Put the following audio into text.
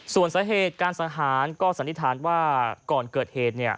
ส่วนสาเหตุการสังหารก็สันนิษฐานว่าก่อนเกิดเหตุ